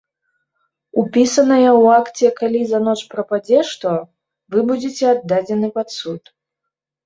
Упісанае ў акце калі за ноч прападзе што, вы будзеце аддадзены пад суд.